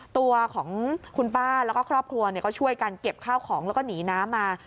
ตัวของคุณป้าแล้วก็ครอบครัวก็ช่วยกันเก็บข้าวของแล้วก็หนีน้ำมา